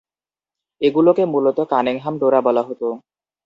এগুলোকে মূলত "Cunningham dora" বলা হত।